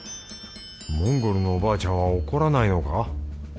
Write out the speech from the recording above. モンゴルのおばあちゃんは怒らないのか？